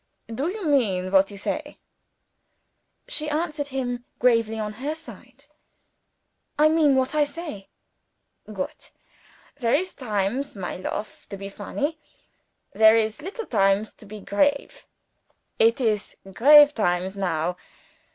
"Do you mean what you say?" She answered him gravely on her side. "I mean what I say." "Goot. There is times, my lofe, to be funny. There is also times to be grave. It is grave times now.